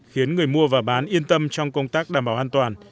khiến người mua và bán yên tâm trong công tác đảm bảo an toàn